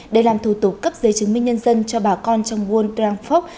để làm thủ tục cấp giấy chứng minh nhân dân cho bà con trong buôn trang phốc